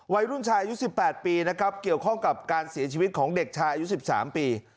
วัยรุ่นชายอายุ๑๘ปีนะครับเกี่ยวข้องกับการเสียชีวิตของเด็กชายอายุ๑๓ปี